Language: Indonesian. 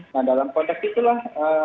nah dalam konteks itulah